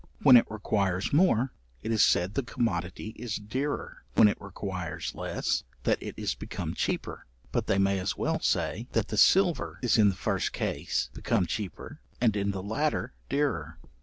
When it requires more, it is said the commodity is dearer; when it requires less, that it is become cheaper; but they may as well say, that the silver is in the first case become cheaper, and in the latter dearer.